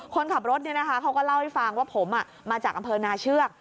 คนขับรถเขาก็เล่าให้ฟังว่าผมมาจากอำเภอนาเชือก